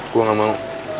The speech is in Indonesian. gua nggak mau